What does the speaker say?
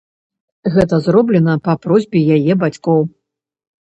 Гэта зроблена па просьбе яе бацькоў.